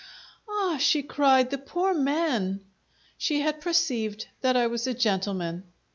"Ah!" she cried. "The poor man!" She had perceived that I was a gentleman.